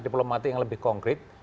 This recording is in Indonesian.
diplomatik yang lebih konkret